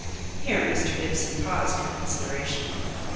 Here Mr. Gibson paused for consideration.